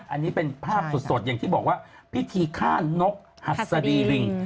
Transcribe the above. อันนี้เป็นภาพสดอย่างที่บอกว่าพิธีฆ่านกหัสดีลิง